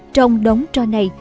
trong đống trò này